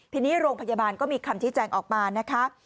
ทีนี้โรงพยาบาลก็มีคำชี้แจงออกมานะคะ